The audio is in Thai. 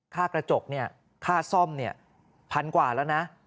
กระจกเนี่ยค่าซ่อมเนี่ยพันกว่าแล้วนะ